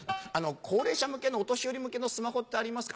「高齢者向けのお年寄り向けのスマホってありますか？」。